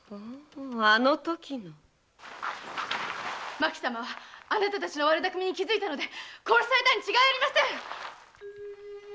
麻紀様はあなたたちの悪だくみに気づいたので殺されたのに違いありません